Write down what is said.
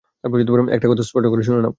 একটা কথা স্পষ্ট করে শুনে নাও।